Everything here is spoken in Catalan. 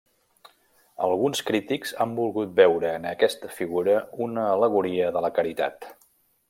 Alguns crítics han volgut veure en aquesta figura una al·legoria de la Caritat.